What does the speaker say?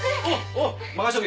おう任せとけ。